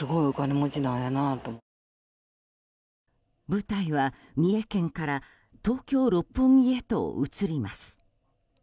舞台は三重県から東京・六本木へと移ります。